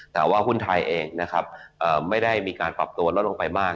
แต่ว่าหุ้นไทยเองนะครับไม่ได้มีการปรับตัวลดลงไปมาก